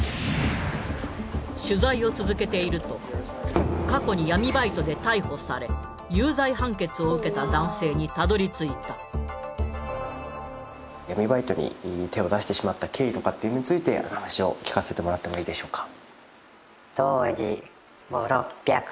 取材を続けていると過去に闇バイトで逮捕され有罪判決を受けた男性にたどりついた闇バイトに手を出してしまった経緯とかっていうのについてお話を聞かせてもらってもいいでしょうか？